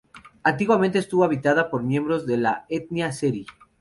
Antiguamente estuvo habitada por miembros de la etnia seri.